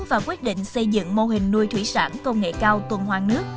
và quyết định xây dựng mô hình nuôi thủy sản công nghệ cao tuần hoàng nước